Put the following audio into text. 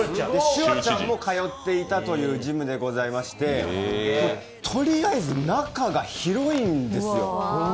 シュワちゃんも通っていたというジムでございまして、とりあえず中が広いんですよ。